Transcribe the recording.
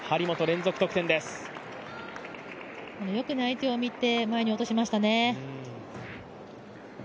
よく相手を見て前に落としましたね。